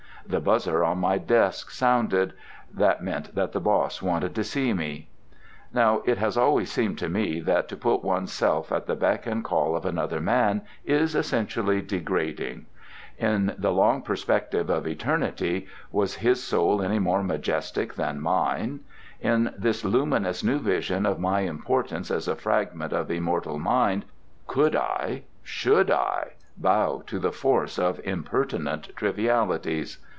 The buzzer on my desk sounded. That meant that the boss wanted to see me. Now, it has always seemed to me that to put one's self at the beck and call of another man is essentially degrading. In the long perspective of eternity, was his soul any more majestic than mine? In this luminous new vision of my importance as a fragment of immortal mind, could I, should I, bow to the force of impertinent trivialities?